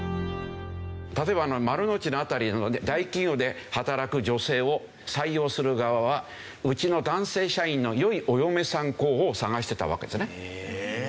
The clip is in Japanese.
例えば丸の内の辺りの大企業で働く女性を採用する側はうちの男性社員の良いお嫁さん候補を探してたわけですね。